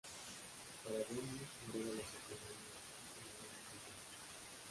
Para Demi volver a los escenarios es una gran sensación.